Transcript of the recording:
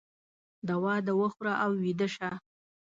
دوا د وخوره او ویده شه